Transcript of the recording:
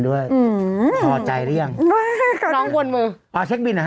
เฮ้ยใจเย็นอยู่แชะลง